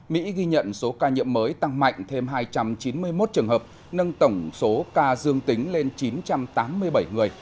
mỹ ghi nhận số ca nhiễm mới tăng mạnh thêm hai trăm chín mươi một trường hợp nâng tổng số ca dương tính lên chín trăm tám mươi bảy người